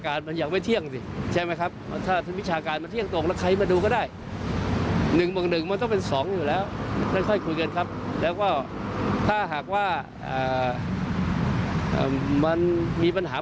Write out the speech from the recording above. คุยกันครับแล้วก็ถ้าหากว่ามันมีปัญหา